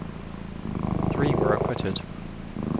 Three were acquitted.